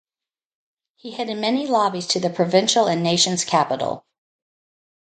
He headed many lobbies to the provincial and nation's capital.